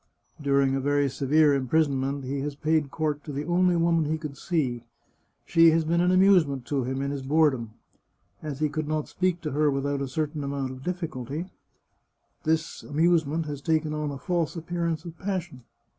During a very severe imprisonment he has paid court to the only woman he could see; she has been 370 The Chartreuse of Parma an amusement to him in his boredom. As he could not speak to her without a certain amount of difficulty, this amusement has taken on a false appearance of passion.